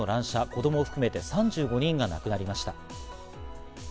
子供を含めて３５人が亡くなりました。